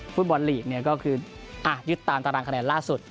ฟุตบอลลีกก็คือยึดตามตารางคะแนนล่าสุด